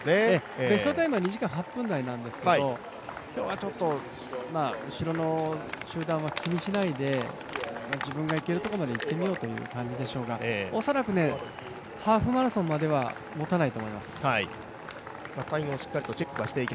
ベストタイムは２時間８分台なんですけど、今日はちょっと後ろの集団は気にしないで自分がいけるところまでいってみようという感じでしょうが、恐らくね、ハーフマラソンまではもたないと思います。